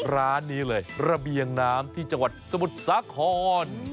ร้านนี้เลยระเบียงน้ำที่จังหวัดสมุทรสาคร